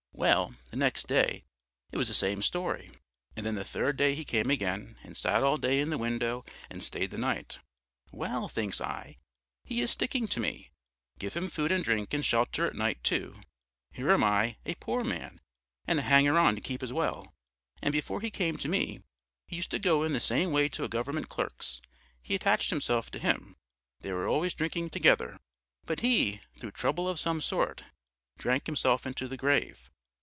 "Well, the next day it was the same story, and then the third day he came again and sat all day in the window and stayed the night. Well, thinks I, he is sticking to me; give him food and drink and shelter at night, too here am I, a poor man, and a hanger on to keep as well! And before he came to me, he used to go in the same way to a government clerk's; he attached himself to him; they were always drinking together; but he, through trouble of some sort, drank himself into the grave.